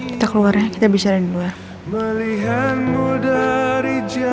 kita keluarnya kita bicara di luar